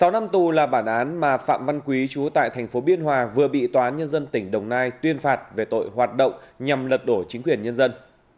sáu năm tù là bản án mà phạm văn quý chú tại thành phố biên hòa vừa bị tòa nhân dân tỉnh đồng nai tuyên phạt về tội hoạt động nhằm lật đổ chính quyền nhân dân